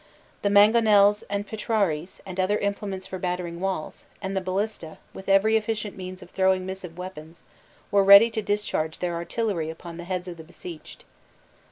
The mangonels and petraries, and other implements for battering walls, and the ballista, with every efficient means of throwing missive weapons, were ready to discharge their artillery upon the heads of the beseiged.